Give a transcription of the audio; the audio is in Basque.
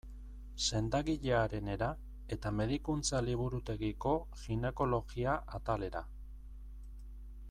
Sendagilearenera eta medikuntza-liburutegiko ginekologia atalera.